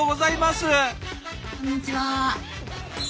「こんにちは」。